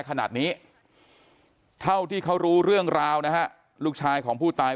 ขนาดนี้เท่าที่เขารู้เรื่องราวนะฮะลูกชายของผู้ตาย